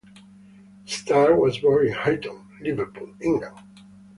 Starr was born in Huyton, Liverpool, England.